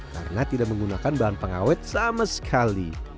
karena tidak menggunakan bahan pengawet sama sekali